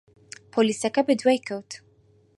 پۆلیسەکە بەدوای کەوت.